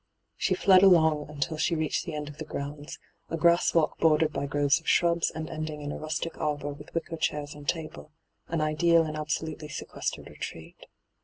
She fled along until she reached the end of the grounds, a grass walk bordered by groves of shrubs and ending in a rustic arbour with wicker chairs and table, an ideal and absolutely sequestered retreat.